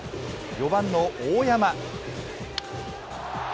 ４番の大山。